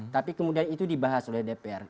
tapi kemudian itu dibahas oleh dpr